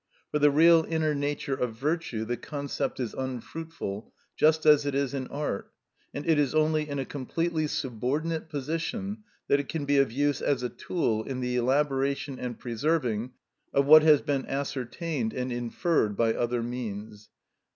For the real inner nature of virtue the concept is unfruitful, just as it is in art, and it is only in a completely subordinate position that it can be of use as a tool in the elaboration and preserving of what has been ascertained and inferred by other means.